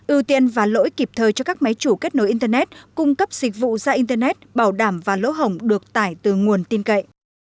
ưu tiên và lỗi kịp thời cho các máy chủ kết nối internet cung cấp dịch vụ ra internet bảo đảm và lỗ hồng được tải từ nguồn tin cậy